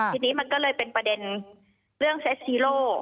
ทีนี้มันก็เลยเป็นประเด็นเรื่องเซ็ตซีโร่